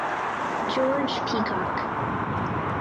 George Peacock.